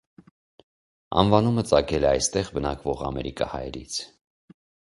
Անվանումը ծագել է այստեղ բնակվող ամերիկահայերից։